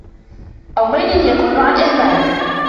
أَوْ مَيْلٍ يَكُونُ عَنْ إهْمَالٍ